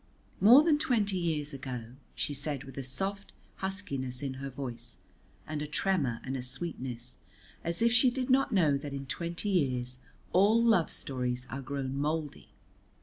"More than twenty years ago," she said with a soft huskiness in her voice, and a tremor and a sweetness, as if she did not know that in twenty years all love stories are grown mouldy.